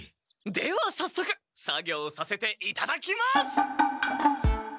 ではさっそく作業させていただきます！